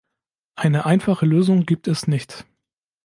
Eine einfache Lösung gibt es nicht.